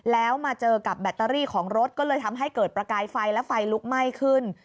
แล้วมาเจอกับแบตเตอรี่ของรถก็เลยทำให้เกิดประกายไฟและไฟลุกไหม้ขึ้น